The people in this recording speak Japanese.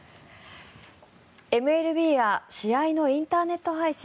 ＭＬＢや試合のインターネット配信